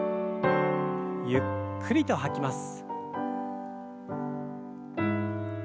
ゆっくりと吐きます。